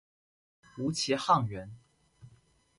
吴其沆人。